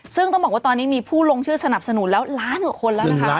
ซึ่งต้องบอกว่าตอนนี้มีผู้ลงชื่อสนับสนุนแล้ว๑๕๐๐๐๐๐คน